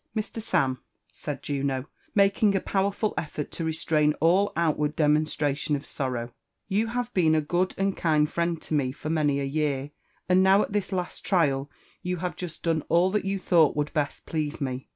"Mr. Sam," said Juno, making a powerful effort to restrain all 146 LIFE AND ADYENTURBS OP outward demonstation of sorrow, ''yoa tutre booB t good mA kind friend to me for many a year, and now at this last trial yon hxw0 jmA done all that you thought would best please me.